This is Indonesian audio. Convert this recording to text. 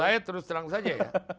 saya terus terang saja